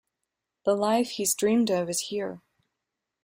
The life he's dreamed of is here.